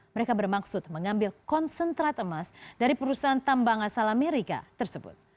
mereka bermaksud mengambil konsentrat emas dari perusahaan tambang asal amerika tersebut